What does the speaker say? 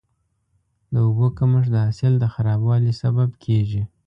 د اوبو کمښت د حاصل د خرابوالي سبب کېږي.